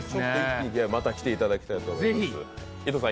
また来ていただきたいと思います。